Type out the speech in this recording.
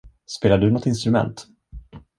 Spelar du något instrument?